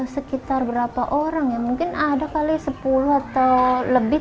sekitar berapa orang ya mungkin ada kali sepuluh atau lebih